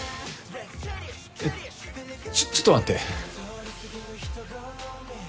えちょちょっと待って。